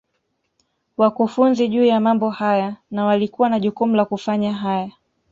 wakufunzi juu ya mambo haya na walikuwa na jukumu la kufanya haya